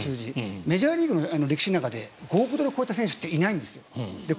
メジャーリーグの歴史の中で５億ドルを超えた選手いないんですよ。